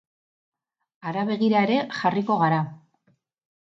Hara begira ere jarriko gara.